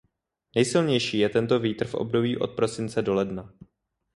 Nejsilnější je tento vítr v období od prosince do ledna.